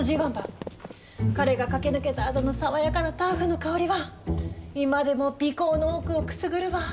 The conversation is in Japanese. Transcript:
彼が駆け抜けたあとの爽やかなターフの香りは今でも鼻こうの奥をくすぐるわ。